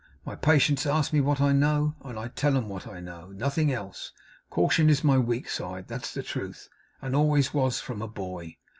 My patients ask me what I know, and I tell 'em what I know. Nothing else. Caution is my weak side, that's the truth; and always was from a boy.